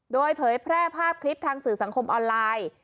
โดยเผยแพร่ภาพคลิปทางสื่อสังคมออนไลน์